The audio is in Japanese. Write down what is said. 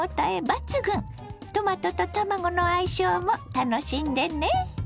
トマトと卵の相性も楽しんでね。